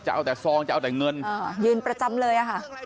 จะเอาแต่ซองจะเอาแต่เงินยืนประจำเลยค่ะ